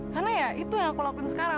karena ya itu yang aku lakuin sekarang